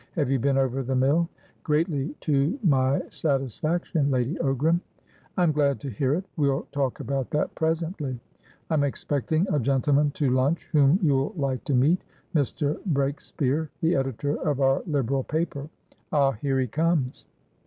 "Have you been over the mill?" "Greatly to my satisfaction, Lady Ogram." "I'm glad to hear it. We'll talk about that presently. I'm expecting a gentleman to lunch whom you'll like to meetMr. Breakspeare, the editor of our Liberal paper. Ah, here he comes."